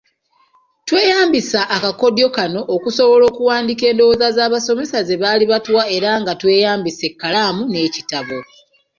Tweyaambisa akakodyo kano okusobola okuwandiika endowooza z'abasomesa ze baali batuwa era nga tweyambisa ekkalamu n'ekitabo.